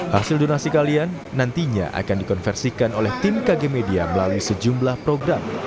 hasil donasi kalian nantinya akan dikonversikan oleh tim kg media melalui sejumlah program